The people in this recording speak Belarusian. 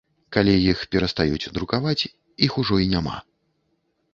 Калі іх перастаюць друкаваць, іх ужо і няма.